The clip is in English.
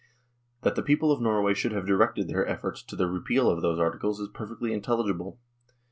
That the people of Norway should have directed their efforts to the repeal of those articles is perfectly intelligible.